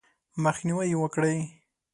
مخنیوی یې وکړئ :